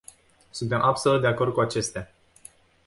Suntem absolut de acord cu acestea.